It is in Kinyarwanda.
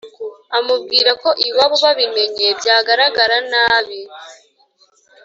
amubwira ko iwabo babimenye byagaragara nabi